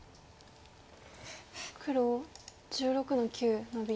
黒１６の九ノビ。